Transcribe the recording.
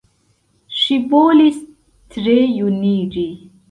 Ŝi volis tre juniĝi.